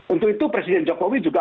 untuk itu presiden jokowi juga